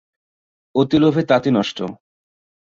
অতি লোভে তাঁতি নষ্ট।